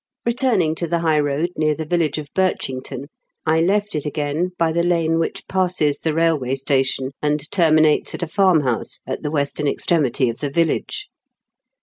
Returning to the high road near the village of Birchington, I left it again by the lane which passes the railway station, and terminates at a farmhouse at the western extremity of the village.